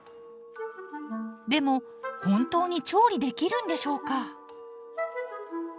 でも本当に調理できるんでしょうか？